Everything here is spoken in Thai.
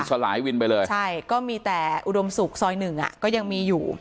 สลายวินไปเลยใช่ก็มีแต่อุดมศุกร์ซอยหนึ่งอ่ะก็ยังมีอยู่